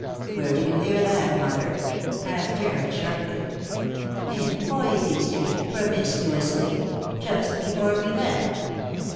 " Where did you hear that, mother ?" asked Jarred sharply. " In Voysey street, promiscuously; just before we left."